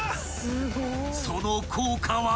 ［その効果は］